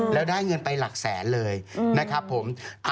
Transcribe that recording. แล้วได้เงินไปหลักแสนเลยนะครับผม